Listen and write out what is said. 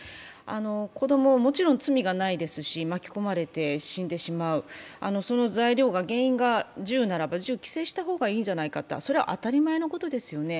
子供、もちろん罪がないですし巻き込まれて死んでしまう、その原因が銃ならば銃を規制した方がいいんじゃないかと、それは当たり前のことですよね。